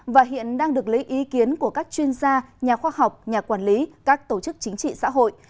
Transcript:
và hiện đang được lấy ý kiến của các chuyên gia nhà khoa học nhà quản lý các tổ chức chính trị xã hội